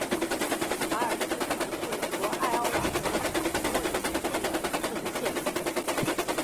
查尔斯城是美国艾奥瓦州弗洛伊德县的城市和县城。